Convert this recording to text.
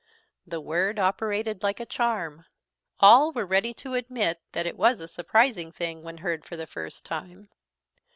_ The word operated like a charm; all were ready to admit that it was a surprising thing when heard for the first time.